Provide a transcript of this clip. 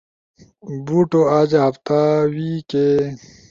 بوٹو، آج، ہفتہ ، وی کے،